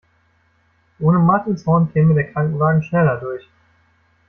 Ohne Martinshorn käme der Krankenwagen schneller durch.